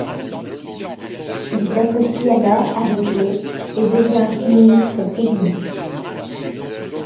Il s'associe alors avec les et devient ainsi ministre-président.